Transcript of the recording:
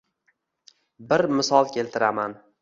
Bir misol keltiraman